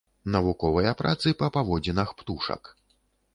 Навуковыя працы па паводзінах птушак.